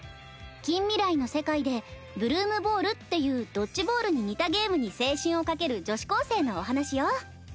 近未来の世界でブルームボールっていうドッジボールに似たゲームに青春を賭ける女子高生のお話よ。